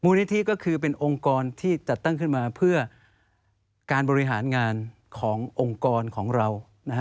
นิธิก็คือเป็นองค์กรที่จัดตั้งขึ้นมาเพื่อการบริหารงานขององค์กรของเรา